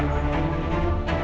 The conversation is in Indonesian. kepada rakyat raja jara